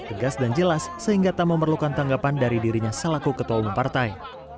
tegas dan jelas sehingga tak memerlukan tanggapan dari dirinya selaku ketua umum partai